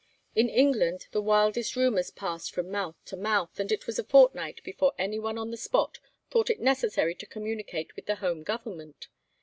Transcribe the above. In England the wildest rumours passed from mouth to mouth, but it was a fortnight before anyone on the spot thought it necessary to communicate with the Home Government.